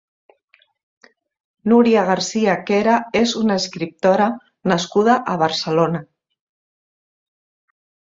Núria Garcia Quera és una escriptora nascuda a Barcelona.